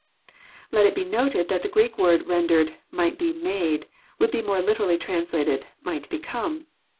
Let it be noted that the Greek word rendered " might be made" would be more literally translated "might become."